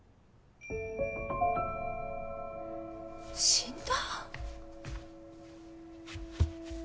死んだ？